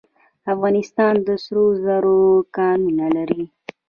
افغانستان د سرو زرو کانونه لري